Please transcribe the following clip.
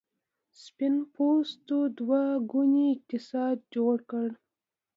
سپین پوستو دوه ګونی اقتصاد جوړ کړ.